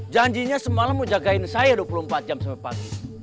janjinya semalam mau jagain saya dua puluh empat jam sampai pagi